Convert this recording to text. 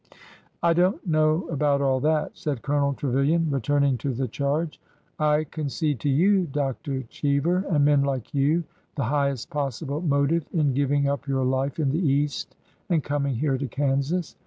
I don't know about all that," said Colonel Trevilian, returning to the charge. I concede to you, Dr. Cheever, and men like you, the highest possible motive in giving up your life in the East and coming here to Kansas.